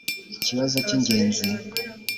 ikibazo cy' inyenzi;